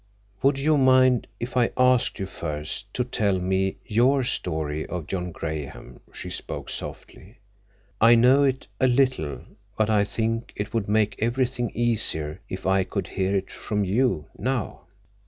"Would you mind—if I asked you first—to tell me your story of John Graham?" she spoke softly. "I know it, a little, but I think it would make everything easier if I could hear it from you—now."